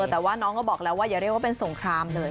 แต่ว่าน้องก็บอกแล้วว่าอย่าเรียกว่าเป็นสงครามเลย